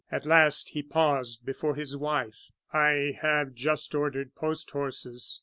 At last he paused before his wife. "I have just ordered post horses.